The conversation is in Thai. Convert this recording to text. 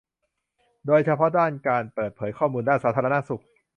โดยเฉพาะด้านการเปิดเผยข้อมูลด้านสาธารณสุข